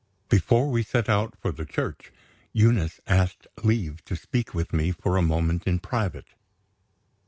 Before we set out for the church, Eunice asked leave to speak with me for a moment in private.